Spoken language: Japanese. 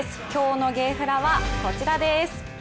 今日のゲーフラはこちらです。